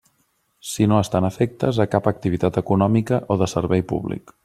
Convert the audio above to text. Si no estan afectes a cap activitat econòmica o de servei públic.